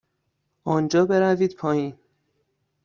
آنجا بروید پایین.